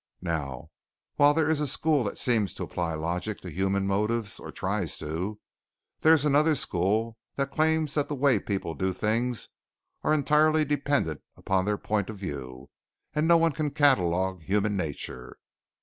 Now, while there is a school that seems to apply logic to human motives, or tries to, there is another school that claims that the way people do things are entirely dependent upon their point of view and no one can catalog human nature.